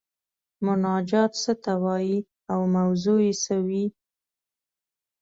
مناجات څه ته وايي او موضوع یې څه وي؟